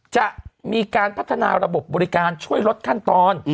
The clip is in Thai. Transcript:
จะมีการพัฒนาระบบบบริการช่วยลดขั้นตอน